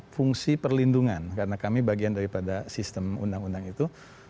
fungsi perlindungan karena kami bagian daripada sistem undang undang itu